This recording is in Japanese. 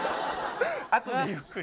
あとでゆっくり。